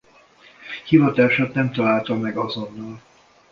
Hivatását nem találta meg azonnal.